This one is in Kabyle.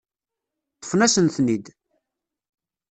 Ṭṭfen-asen-ten-id.